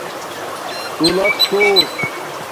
تُݸلس کوٹ